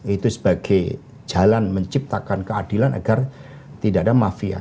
itu sebagai jalan menciptakan keadilan agar tidak ada mafia